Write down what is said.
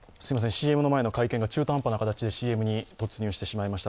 ＣＭの前の会見が中途半端な形でＣＭに突入してしまいました。